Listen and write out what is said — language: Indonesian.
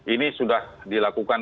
ini sudah dilakukan